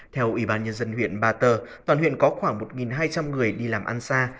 theo ủy ban nhân dân huyện ba tơ toàn huyện có khoảng một hai trăm linh người đi làm ăn xa